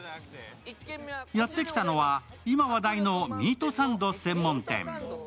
やってきたのは今、話題のミートサンド専門店。